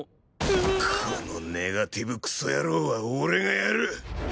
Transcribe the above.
このネガティブクソ野郎は俺がやる！